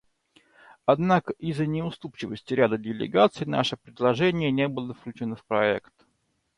Однако из-за неуступчивости ряда делегаций наше предложение не было включено в проект.